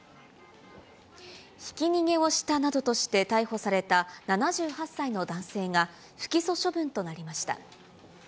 ひき逃げをしたなどとして逮捕された７８歳の男性が、不起訴処分となりました。